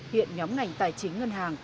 hiện nhóm ngành tài chính ngân hàng